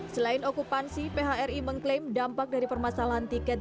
selain okupansi phri mengklaim dampak dari permasalahan tiket